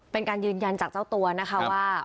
เป็นการยืนยันจากเจ้าตัวนะคะว่า